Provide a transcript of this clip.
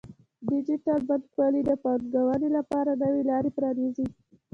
ډیجیټل بانکوالي د پانګونې لپاره نوې لارې پرانیزي.